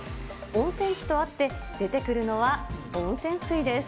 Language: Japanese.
温泉地とあって出てくるのは温泉水です。